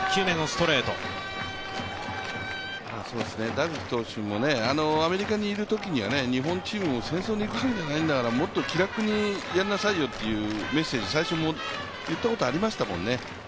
ダルビッシュ投手もアメリカにいるときには日本チーム戦争に行くわけじゃないんだからもっと気楽にやんなさいよっていうメッセージ、最初、言ったことありましたもんね